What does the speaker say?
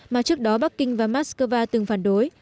mà trước đó bắc kinh và moscow từng phản đối